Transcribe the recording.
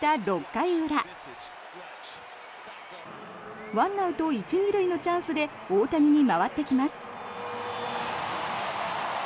６回裏１アウト１・２塁のチャンスで大谷に回ってきます。